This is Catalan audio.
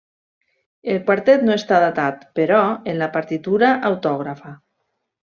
El quartet no està datat, però, en la partitura autògrafa.